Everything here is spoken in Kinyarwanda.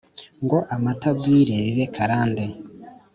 ngo amata agwire bibe karande